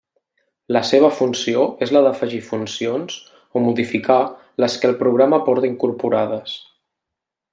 La seva funció és la d'afegir funcions o modificar les que el programa porta incorporades.